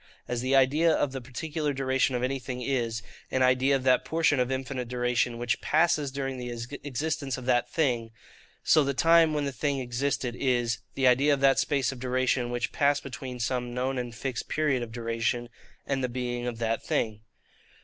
As the idea of the particular duration of anything is, an idea of that portion of infinite duration which passes during the existence of that thing; so the time when the thing existed is, the idea of that space of duration which passed between some known and fixed period of duration, and the being of that thing.